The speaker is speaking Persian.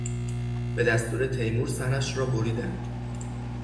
به دستور تیمور سرش را بریدند.